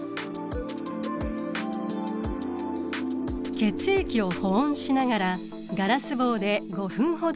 血液を保温しながらガラス棒で５分ほどかき混ぜると。